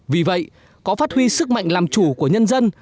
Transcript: vì vậy có phát huy sức mạnh làm chủ của nhân dân